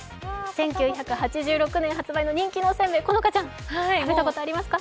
１９８６年発売の人気のお煎餅、好花ちゃん食べたことありますか。